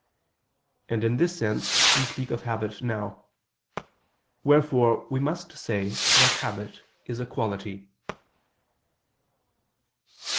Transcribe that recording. And in this sense we speak of habit now. Wherefore we must say that habit is a quality.